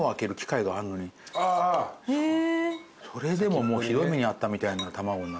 それでももうひどい目に遭ったみたいな卵になっちゃう。